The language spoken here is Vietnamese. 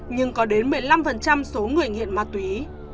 nhưng có đến một mươi năm số người nghiện ma túy